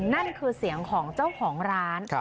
นั่นคือเสียงของเจ้าของร้าน